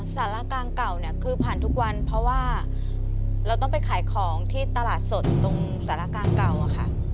สารกลางเก่าเนี่ยคือผ่านทุกวันเพราะว่าเราต้องไปขายของที่ตลาดสดตรงสารกลางเก่าอะค่ะ